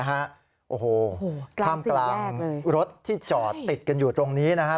กลางสี่แยกเลยใช่ท่ามกลางรถที่จอดติดกันอยู่ตรงนี้นะครับ